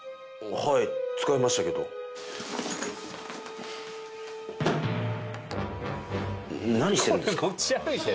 はい使いましたけど何してるんですか？